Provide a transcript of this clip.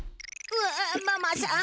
うわママさん